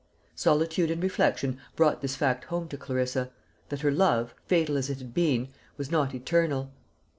Solitude and reflection brought this fact home to Clarissa, that her love, fatal as it had been, was not eternal.